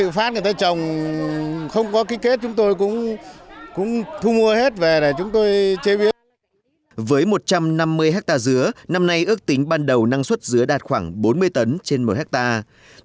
với một trăm năm mươi hectare dứa năm nay ước tính ban đầu năng suất dứa đạt khoảng bốn mươi tấn trên một hectare